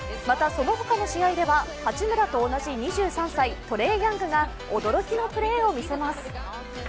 また、その他の試合では、八村と同じ２３歳、トレイ・ヤングが驚きのプレーを見せます。